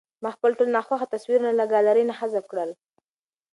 ما خپل ټول ناخوښه تصویرونه له ګالرۍ نه حذف کړل.